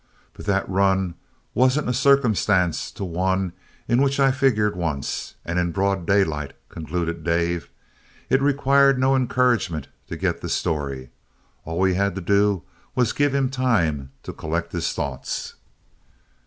"But that run wasn't a circumstance to one in which I figured once, and in broad daylight," concluded Dave. It required no encouragement to get the story; all we had to do was to give him time to collect his thoughts.